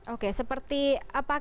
oke seperti apakah